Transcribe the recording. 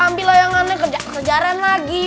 nanti ambil layangannya kerjaan lagi